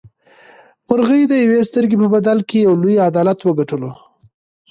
مرغۍ د یوې سترګې په بدل کې یو لوی عدالت وګټلو.